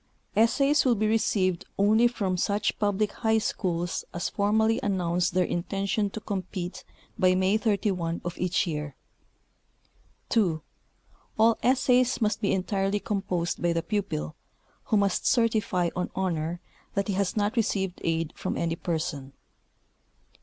Essays will be received only from such public high schools as form ally amiounce their intention to comjpete by May 31, 1893. 2. All essays must be entirely composed by the student, who must cer tify on honor that he has not received aid from any person.